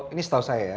ini setahu saya ya